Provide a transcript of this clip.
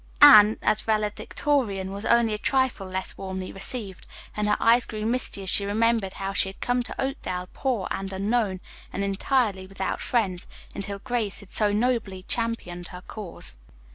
Anne, as valedictorian, was only a trifle less warmly received, and her eyes grew misty as she remembered how she had come to Oakdale poor and unknown, and entirely without friends, until Grace had so nobly championed her cause.